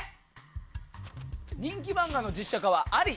人気漫画家の実写化はあり？